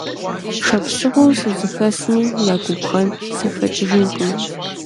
Шапсыгъыу сызыхэсми я губгъэн сыхэкӏыжынкъым.